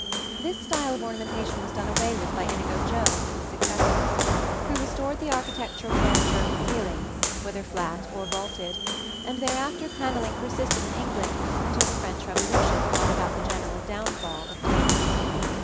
This style of ornamentation was done away with by Inigo Jones and his successors, who restored the architectural character of the ceiling, whether flat or vaulted; and thereafter panelling persisted in England until the French Revolution brought about the general downfall of taste.